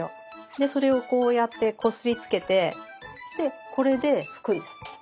でそれをこうやってこすりつけてでこれで拭くんです。